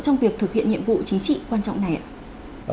trong việc thực hiện nhiệm vụ chính trị quan trọng này ạ